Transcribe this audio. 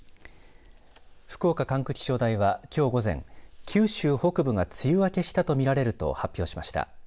福岡管区気象台はきょう午前九州北部が梅雨明けしたと見られると発表しました。